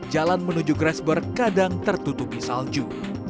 jalan menuju grassberg kadang tertutupi salju